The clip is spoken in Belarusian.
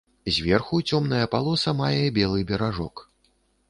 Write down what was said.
Зверху цёмная палоса мае белы беражок.